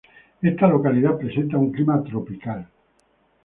Esta localidad presenta un clima tropical.